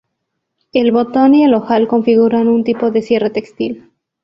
El botón y el ojal configuran un tipo de cierre textil.